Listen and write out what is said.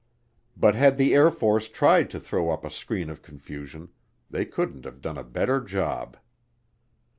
But had the Air Force tried to throw up a screen of confusion, they couldn't have done a better job.